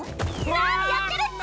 何やってるっちゃ！